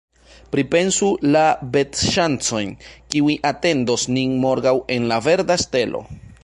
Pripensu la vetŝancojn, kiuj atendos nin morgaŭ en La Verda Stelo!